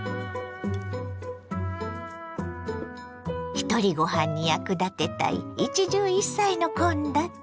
ひとりごはんに役立てたい一汁一菜の献立。